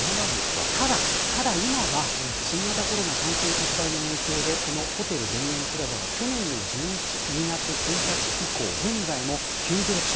ただ今は新型コロナ感染拡大の影響でこのホテル田園プラザは去年の１２月１日以降現在も休業中。